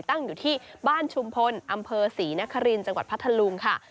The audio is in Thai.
ตั้งอยู่ที่บ้านชุมพลอำเภอศรีนครินทร์จังหวัดพัทธลุงค่ะ